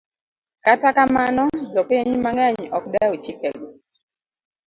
Kata kamano, jopiny mang'eny ok dew chikego.